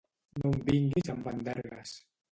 No em vinguis amb endergues.